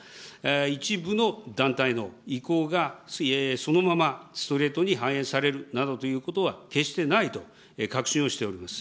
一部の団体の意向がそのままストレートに反映されるなどということは、決してないと確信をしております。